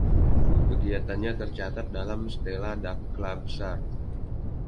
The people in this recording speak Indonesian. Kegiatannya tercatat dalam stela Dakhla besar.